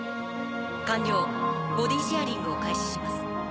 完了ボディシェアリングを開始します。